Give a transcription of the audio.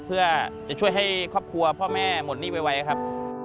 เพื่อจะช่วยให้ครอบครัวพ่อแม่หมดหนี้ไวครับ